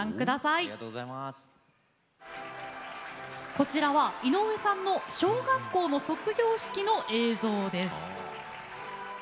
こちらは井上さんの小学校の卒業式の映像です。